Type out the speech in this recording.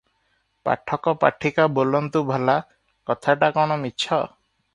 ପାଠକ ପାଠିକା ବୋଲନ୍ତୁ ଭଲା, କଥାଟା କଣ ମିଛ?